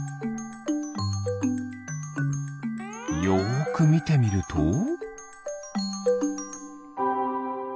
よくみてみると。